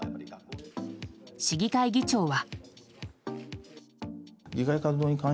市議会議長は。